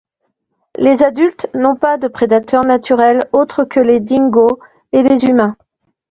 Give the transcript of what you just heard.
Les adultes n'ont pas de prédateurs naturels autres que les dingos et les humains.